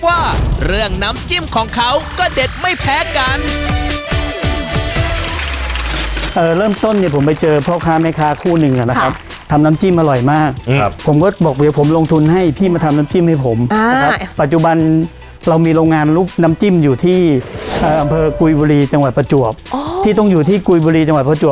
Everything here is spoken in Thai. แต่ถ้าฟังไม่ทันไม่เป็นไรเรามาทวนกันอีกที